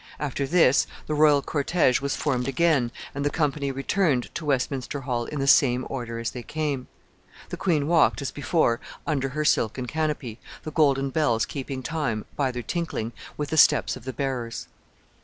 After this, the royal cortége was formed again, and the company returned to Westminster Hall in the same order as they came. The queen walked, as before, under her silken canopy, the golden bells keeping time, by their tinkling, with the steps of the bearers.